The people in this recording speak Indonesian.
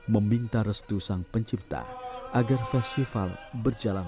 meminta restusang pencipta agar festival berjalan